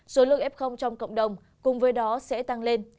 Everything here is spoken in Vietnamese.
số lượng f trong cộng đồng cùng với đó sẽ tăng lên